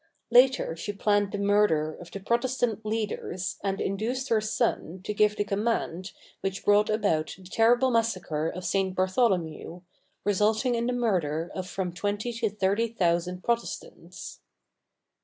Later, she planned the murder of the Protestant leaders and induced her son to give the command which brought about the terrible massacre of St. Bartholomew, resulting in the murder of from twenty to thirty thousand Protestants.